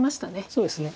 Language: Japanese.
そうですね。